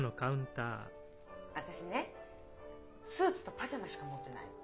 私ねスーツとパジャマしか持ってないの。